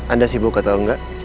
anda sibuk atau enggak